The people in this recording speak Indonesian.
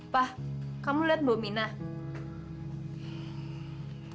pak kamu lihat bominah